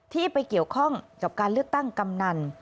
ที่ไปเกี่ยวข้องกับการเลือกตั้งกำนัน